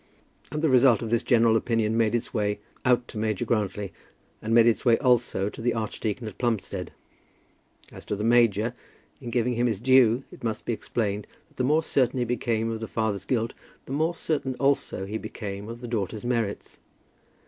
And the result of this general opinion made its way out to Major Grantly, and made its way, also, to the archdeacon at Plumstead. As to the major, in giving him his due, it must be explained that the more certain he became of the father's guilt, the more certain also he became of the daughter's merits.